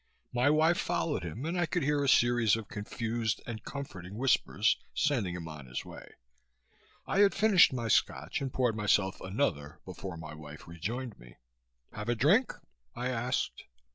My wife followed him and I could hear a series of confused and comforting whispers sending him on his way. I had finished my Scotch and poured myself another before my wife rejoined me. "Have a drink?" I asked.